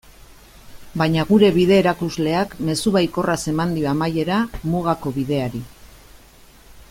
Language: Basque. Baina gure bide-erakusleak mezu baikorraz eman dio amaiera Mugako Bideari.